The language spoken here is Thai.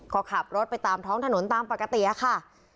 ก็ขับรถไปตามท้องถนนตามปกติค่ะ